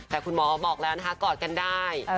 แต่คุณหมอบอกแล้วนะคะกอดกันได้